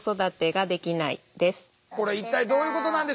これ一体どういうことなんでしょう？